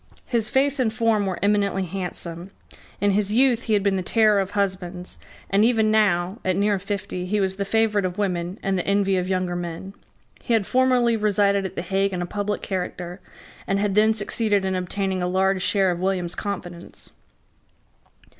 His face and form were eminently handsome. In his youth he had been the terror of husbands; and even now, at near fifty, he was the favourite of women and the envy of younger men. He had formerly resided at the Hague in a public character, and had then succeeded in obtaining a large share of William's confidence.